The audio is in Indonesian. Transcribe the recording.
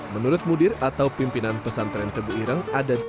menurut mudir atau pimpinan pesantren tebu irang